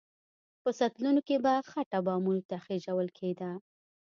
په سطلونو کې به خټه بامونو ته خېژول کېده.